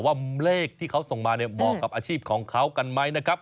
ว่าเลขที่เขาส่งมาเนี่ยเหมาะกับอาชีพของเขากันไหมนะครับ